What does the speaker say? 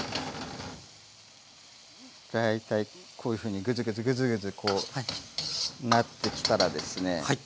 大体こういうふうにグツグツグツグツこうなってきたらですね